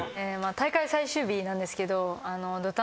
大会最終日なんですけど。